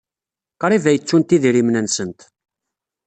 Qrib ay ttunt idrimen-nsent.